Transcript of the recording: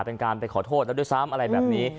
เป็นการไปขอโทษแล้วด้วยซ้ำอะไรแบบนี้